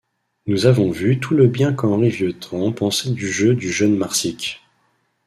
Nous avons vu tout le bien qu'Henri Vieuxtemps pensait du jeu du jeune Marsick.